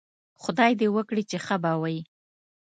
خدای دې وکړي چې ښه به وئ